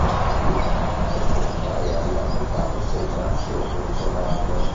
Louie lo compra e arrivato a casa sembra ansioso di provarlo.